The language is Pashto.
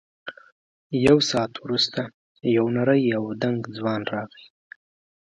یو ساعت وروسته یو نری او دنګ ځوان راغی.